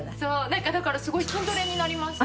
なんかだからすごい筋トレになりますね。